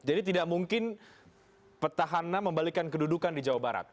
jadi tidak mungkin petahana membalikan kedudukan di jawa barat